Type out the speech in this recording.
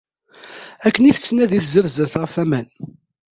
Akken i tettnadi tzerzert ɣef waman.